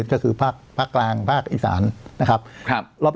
ก็คือภาคกลางภาคอีสานนะครับ